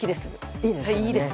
いいですね。